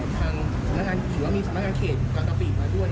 ท่างนางานถือว่ามีศูนย์ใครมีการตะปีกมาด้วย